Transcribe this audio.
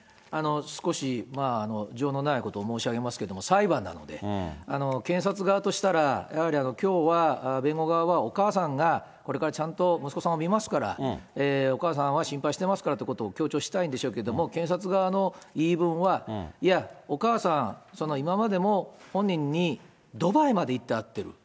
少し情のないことを申し上げますけれども、裁判なので、検察側としたら、やはりきょうは弁護側はお母さんがこれからちゃんと息子さんを見ますから、お母さんは心配してますからということを強調したいんでしょうけど、検察側の言い分は、いや、お母さん、今までも本人にドバイまで行って会ってる。